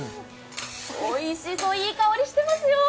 おいしそう、いい香りしてますよ。